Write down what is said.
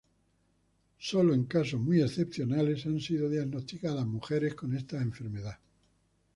Sólo en casos muy excepcionales han sido diagnosticadas mujeres con esta enfermedad.